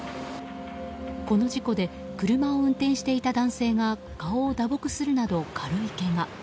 この事故で車を運転していた男性が顔を打撲するなど軽いけが。